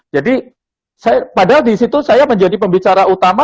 jadi padahal disitu saya menjadi pembicara utama